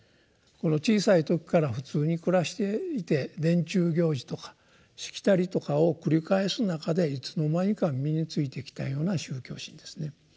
小さい時から普通に暮らしていて年中行事とかしきたりとかを繰り返す中でいつの間にか身についてきたような宗教心ですね。